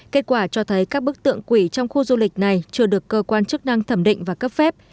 kết quả cho thấy các bức tượng quỷ trong khu du lịch này chưa được cơ quan chức năng thẩm định và cấp phép